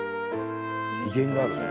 威厳があるね。